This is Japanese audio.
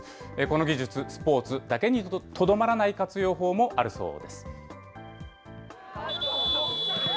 この技術、スポーツだけにとどまらない活用法もあるそうです。